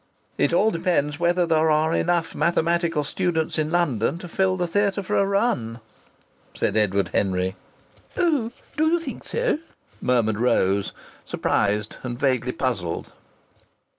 "It all depends whether there are enough mathematical students in London to fill the theatre for a run," said Edward Henry. "Oh! D'you think so?" murmured Rose, surprised and vaguely puzzled.